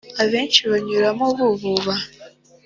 abenshi banyuramo bububa